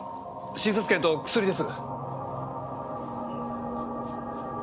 診察券と薬です。